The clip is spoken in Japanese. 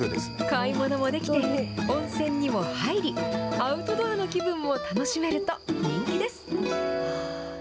買い物もできて、温泉にも入り、アウトドアの気分も楽しめると、人気です。